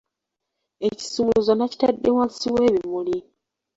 Ekisumuluzo nakitadde wansi w'ebimuli.